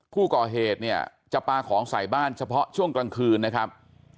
ผู้ก่อเหตุเนี่ยจะปลาของใส่บ้านเฉพาะช่วงกลางคืนนะครับ